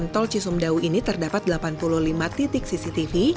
tol cisumdau ini terdapat delapan puluh lima titik cctv